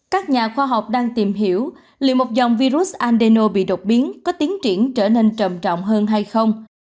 các nhà khoa học đang tìm hiểu liệu liệu một dòng virus adeno bị độc biến có tiến triển trở nên trầm trọng hơn hay không